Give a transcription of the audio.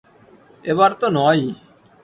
এবার তো নয়ই।